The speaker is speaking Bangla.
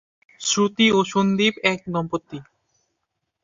শ্রুতি ও সন্দীপ এক দম্পতি।